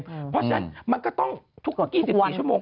เพราะฉะนั้นมันก็ต้องทุก๒๔ชั่วโมง